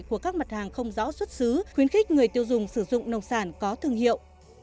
của các mặt hàng không rõ xuất xứ khuyến khích người tiêu dùng sử dụng nông sản có thương hiệu